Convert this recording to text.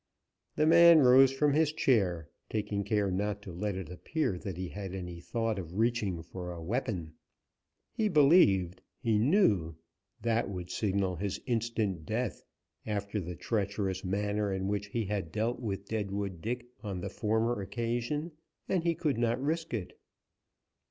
The man rose from his chair, taking care not to let it appear that he had any thought of reaching for a weapon. He believed he knew that would signal his instant death, after the treacherous manner in which he had dealt with Deadwood Dick on the former occasion, and he could not risk it.